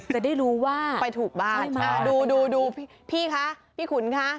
จะได้รู้ว่าซ่อยมาลาไปถูกบ้านดูพี่คะพี่ขุนคะ